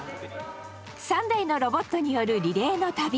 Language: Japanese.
３台のロボットによるリレーの旅。